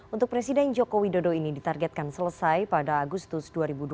untuk presiden joko widodo ini ditargetkan selesai pada agustus dua ribu dua puluh